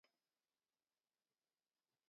Masikchini koam ngokaik logoek ak banyek